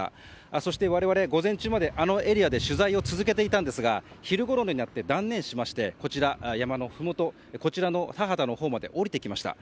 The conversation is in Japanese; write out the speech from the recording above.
そして、我々午前中まであのエリアで取材を続けていたんですが昼ごろになって断念しまして山のふもと、田畑のほうまで下りてきました。